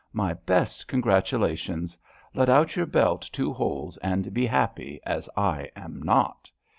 My best congratulations. Let out your belt two holes, and be happy, as I am not.